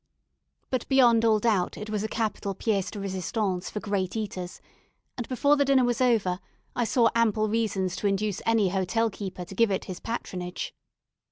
But beyond all doubt it was a capital pièce de résistance for great eaters; and before the dinner was over, I saw ample reasons to induce any hotel keeper to give it his patronage.